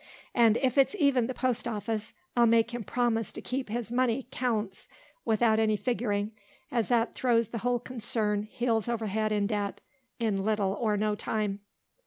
And if it's even the post office, I'll make him promise to keep his money 'counts without any figuring, as that throws the whole concern heels over head in debt, in little or no time.